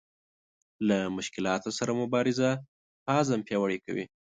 له مشکلاتو سره مبارزه په عزم پیاوړې کوي.